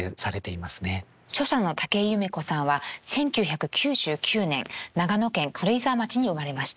著者の竹井夢子さんは１９９９年長野県軽井沢町に生まれました。